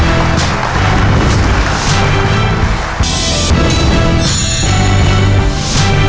ธรรม๑๒๐